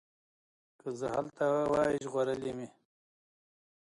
که زه هلته وای ژغورلي مي